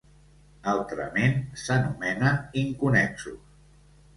Altrament, s'anomenen inconnexos.